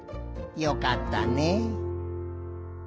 よかったねえ。